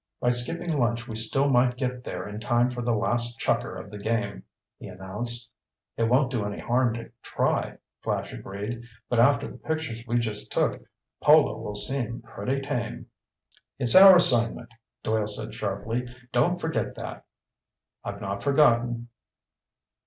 "By skipping lunch we still might get there in time for the last chukker of the game," he announced. "It won't do any harm to try," Flash agreed. "But after the pictures we just took, polo will seem pretty tame." "It's our assignment," Doyle said sharply. "Don't forget that." "I've not forgotten."